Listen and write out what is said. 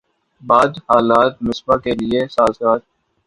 بعد حالات مصباح کے لیے سازگار